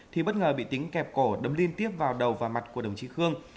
những kẹp cổ đâm liên tiếp vào đầu và mặt của đồng chí khương